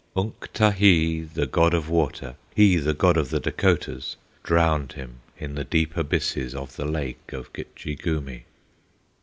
Unktahee, the god of water, He the god of the Dacotahs, Drowned him in the deep abysses Of the lake of Gitche Gumee.